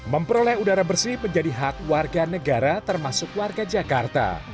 memperoleh udara bersih menjadi hak warga negara termasuk warga jakarta